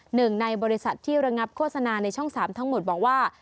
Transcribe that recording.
หนึ่งในบริษัทที่ระงับโฆษณาในช่อง๓ทั้งหมดบอกว่า